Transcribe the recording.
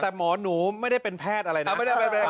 แต่หมอหนูไม่ได้เป็นแพทย์อะไรนะ